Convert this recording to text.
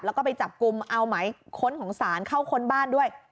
แล้วก็ไปจับกลุ่มเอาหมายค้นของศาลเข้าค้นบ้านด้วย